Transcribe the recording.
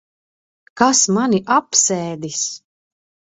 Kas mani apsēdis?